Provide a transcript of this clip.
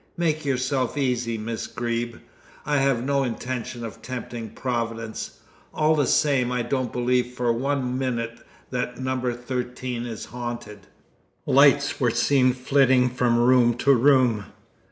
"Make yourself easy, Miss Greeb. I have no intention of tempting Providence. All the same, I don't believe for one minute that No. 13 is haunted." "Lights were seen flitting from room to room."